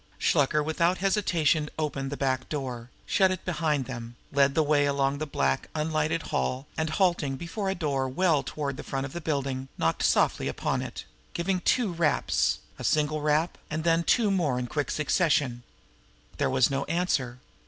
Shluker, without hesitation, opened the back door, shut it behind them, led the way along a black, unlighted hall, and halting before a door well toward the front of the building, knocked softly upon it giving two raps, a single rap, and then two more in quick succession. There was no answer.